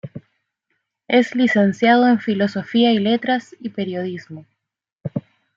Es licenciado en Filosofía y Letras y Periodismo.